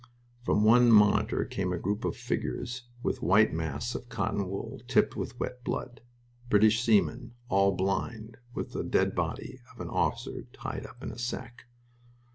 From one monitor came a group of figures with white masks of cotton wool tipped with wet blood. British seamen, and all blind, with the dead body of an officer tied up in a sack....